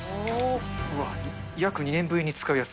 うわっ、約２年ぶりに使うやつ。